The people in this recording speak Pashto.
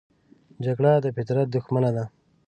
جګړه د فطرت دښمنه ده